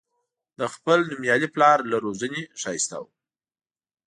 د خپل نومیالي پلار له روزنې ښایسته و.